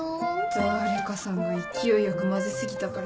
誰かさんが勢いよく混ぜ過ぎたから。